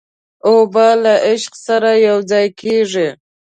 اوبه له عشق سره یوځای کېږي.